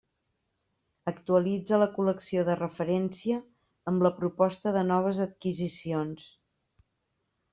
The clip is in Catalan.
Actualitza la col·lecció de referència amb la proposta de noves adquisicions.